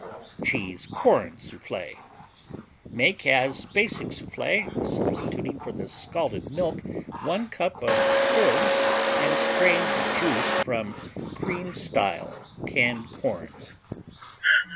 Cheese Corn Soufflé Make as Basic Soufflé, substituting for the scalded milk 1 cup of sieved and strained juice from cream style canned corn.